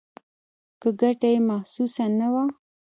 که ګټه یې محسوسه نه وه.